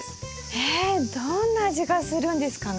えどんな味がするんですかね？